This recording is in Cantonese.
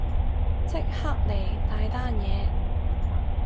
即刻嚟，大單嘢